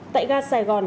tại ga sài gòn